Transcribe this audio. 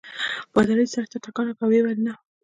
پادري سر ته ټکان ورکړ او ویې ویل نه.